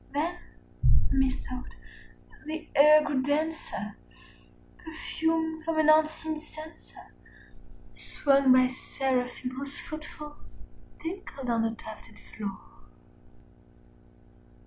Then, methought, the air grew denser, perfumed from an unseen censer Swung by seraphim whose foot falls tinkled on the tufted floor.